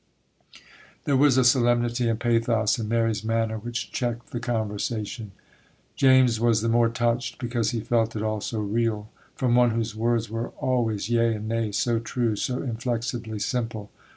There was a solemnity and pathos in Mary's manner which checked the conversation. James was the more touched because he felt it all so real, from one whose words were always yea and nay, so true, so inflexibly simple.